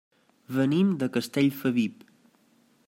Venim de Castellfabib.